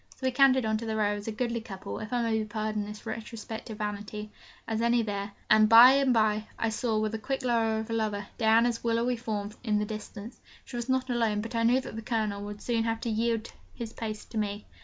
So we cantered on to the Row, as goodly a couple (if I may be pardoned this retrospective vanity) as any there; and by and by, I saw, with the quick eye of a lover, Diana's willowy form in the distance. She was not alone, but I knew that the Colonel would soon have to yield his place to me.